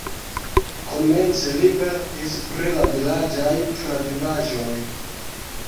Komence li verkis pri la vilaĝaj travivaĵoj.